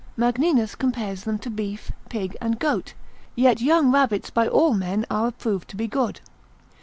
Magninus compares them to beef, pig, and goat, Reg. sanit. part. 3. c. 17; yet young rabbits by all men are approved to be good.